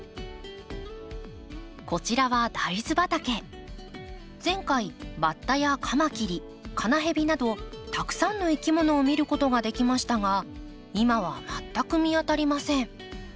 こちらは前回バッタやカマキリカナヘビなどたくさんのいきものを見ることができましたが今は全く見当たりません。